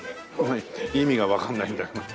意味がわかんないんだよな。